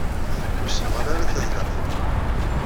Ur ssenɣal ara tadlaxt-nni.